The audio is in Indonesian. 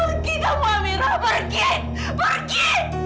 pergi kamu amira pergi